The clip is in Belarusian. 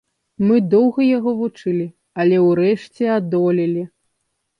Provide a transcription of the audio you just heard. Мы доўга яго вучылі, але ўрэшце адолелі.